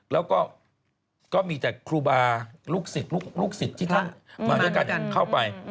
แล้วก็มีแต่ครูบาลูกศิษย์ที่ทั้งมาด้วยกันเข้าไป